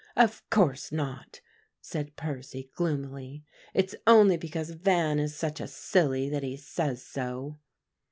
"Of course not," said Percy gloomily; "it's only because Van is such a silly, that he says so."